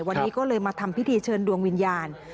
วันนี้ก็เลยมาทำพิธีเชิญดวงวิญญาณ